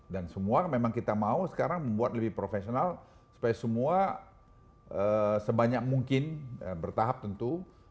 dan semua memang kita mau sekarang membuat lebih professional supaya semua sebanyak mungkin bertahap tentu